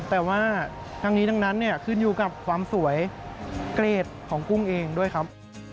แต่ว่าทั้งนี้ทั้งนั้นเนี่ยขึ้นอยู่กับความสวยเกรดของกุ้งเองด้วยครับ